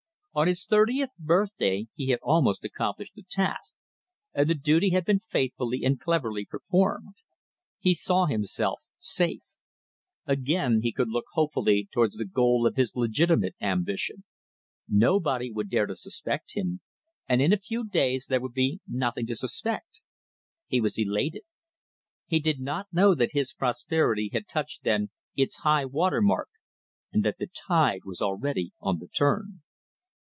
On his thirtieth birthday he had almost accomplished the task and the duty had been faithfully and cleverly performed. He saw himself safe. Again he could look hopefully towards the goal of his legitimate ambition. Nobody would dare to suspect him, and in a few days there would be nothing to suspect. He was elated. He did not know that his prosperity had touched then its high water mark, and that the tide was already on the turn.